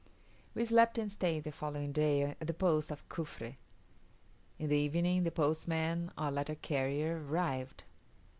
We slept and stayed the following day at the post of Cufre. In the evening the postman or letter carrier arrived.